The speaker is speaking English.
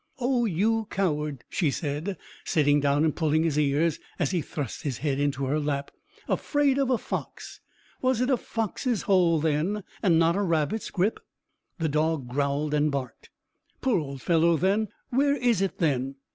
"Oh, you coward!" she said, sitting down and pulling his ears, as he thrust his head into her lap. "Afraid of a fox! Was it a fox's hole, then, and not a rabbit's, Grip?" The dog growled and barked. "Poor old fellow, then. Where is it, then?"